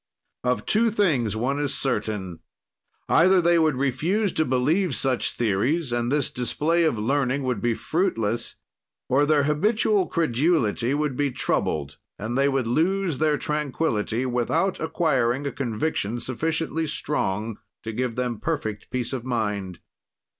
Of two things one is certain: either they would refuse to believe such theories and this display of learning would be fruitless, or their habitual credulity would be troubled and they would lose their tranquility without acquiring a conviction sufficiently strong to give them perfect peace of mind.